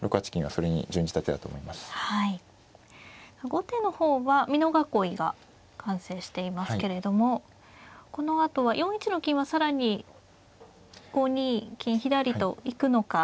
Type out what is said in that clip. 後手の方は美濃囲いが完成していますけれどもこのあとは４一の金は更に５ニ金左と行くのか。